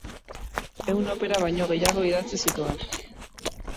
Ehun opera baino gehiago idatzi zituen.